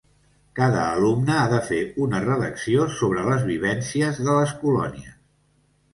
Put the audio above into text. Cada alumne ha de fer una redacció sobre les vivències de les colònies.